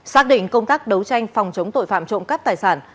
xác định công tác đấu tranh phòng chống tội phạm trộm cắp tài sản